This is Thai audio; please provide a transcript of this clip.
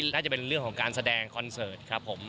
ผมว่าเอาแฟนไทย